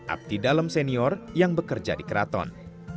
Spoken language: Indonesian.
abdi dalam senior yang bekerja di keraton